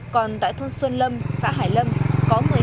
còn tại thôn xuân lâm xã hải lâm